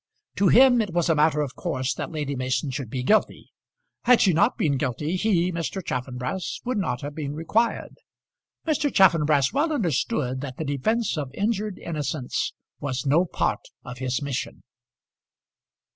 To him it was a matter of course that Lady Mason should be guilty. Had she not been guilty, he, Mr. Chaffanbrass, would not have been required. Mr. Chaffanbrass well understood that the defence of injured innocence was no part of his mission.